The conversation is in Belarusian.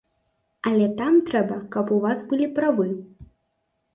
Але там трэба, каб у вас былі правы.